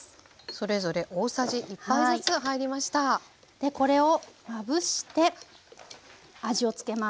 でこれをまぶして味をつけます。